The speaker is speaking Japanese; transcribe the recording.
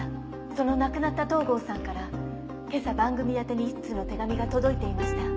その亡くなった東郷さんからけさ番組あてに１通の手紙が届いていました。